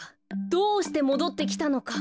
どうしてもどってきたのか。